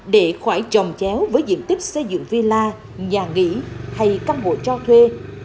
để khỏi trồng chéo với diện tích xây dựng villa nhà nghỉ hay căn hộ cho thuê